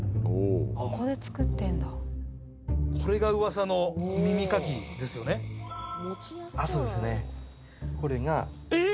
ここで作ってんだこれがうわさの耳かきですよねえっ